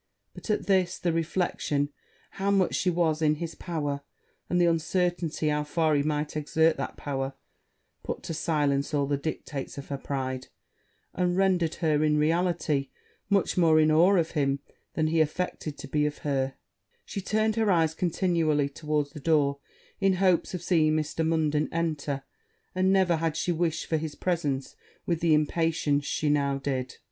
but at this, the reflection how much she was in his power, and the uncertainty how far he might exert that power, put to silence all the dictates of her pride, and rendered her, in reality, much more in awe of him, than he affected to be of her: she turned her eyes continually towards the door, in hopes of seeing Mr. Munden enter; and never had she wished for his presence with the impatience she now did.